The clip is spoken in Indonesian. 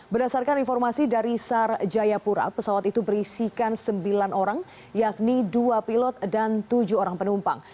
berdasarkan informasi dari sar jayapura pesawat itu berisikan sembilan orang yakni dua pilot dan tujuh orang penumpang